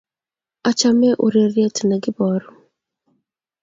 Achame ureriet be kiporu